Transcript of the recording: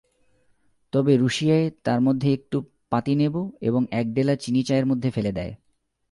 তবে রুশিয়ায় তার মধ্যে একটু পাতিনেবু এবং এক ডেলা চিনি চায়ের মধ্যে ফেলে দেয়।